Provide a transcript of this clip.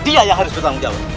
dia yang harus bertanggung jawab